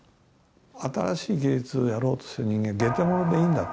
新しい芸術をやろうとする人間「げてもの」でいいんだって。